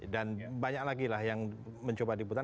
dan banyak lagi lah yang mencoba di putar